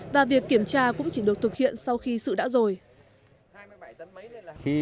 và việc kiểm tra cũng chỉ được thực hiện sau khi sự đã rồi